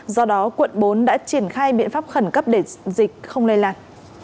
do đó quận bốn đã triển khai biện pháp khẩn cấp để dịch không lây lan